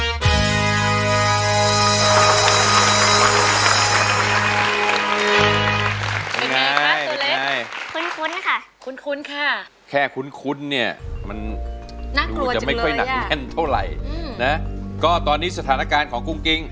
คุ้นคุ้นค่ะคุ้นคุ้นค่ะแค่คุ้นคุ้นเนี่ยมันน่ากลัวจริงเลยอ่ะจะไม่ค่อยหนักแน่นเท่าไหร่อืมนะก็ตอนนี้สถานการณ์ของกุ้งกิ้ง